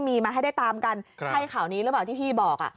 มีมาให้ได้ตามกันใช่ข่าวนี้หรือเปล่าที่พี่บอก